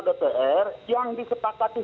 dpr yang disetakatkan